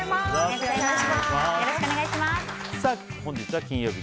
本日は金曜日。